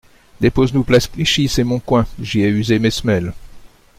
Dépose-nous Place Clichy, c’est mon coin, j’y ai usé mes semelles